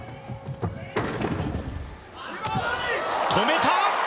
止めた！